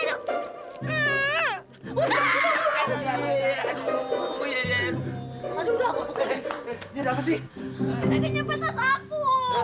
ntar di nyempet tas aku